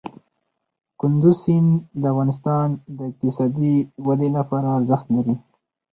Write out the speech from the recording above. کندز سیند د افغانستان د اقتصادي ودې لپاره ارزښت لري.